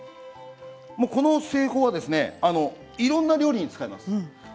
この製法はいろんな料理に使えます。